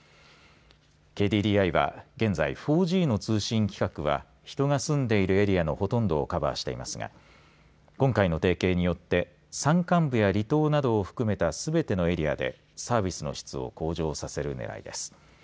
ＫＤＤＩは現在４Ｇの通信規格は人が住んでいるエリアのほとんどをカバーしていますが今回の提携によって山間部や離島などを含めたすべてのエリアでサービスの質を向上させるねらいです。